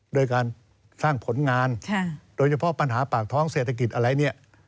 โดยการสร้างผลงานโดยเฉพาะปัญหาปากท้องเศรษฐกิจอะไรเนี่ย